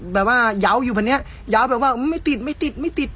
แบบว่ายาวอยู่แบบนี้ยาวแบบว่าไม่ติดไม่ติดไม่ติด